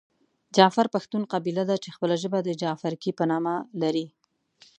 جعفر پښتون قبیله ده چې خپله ژبه د جعفرکي په نامه لري .